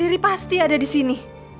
riri pasti ada disini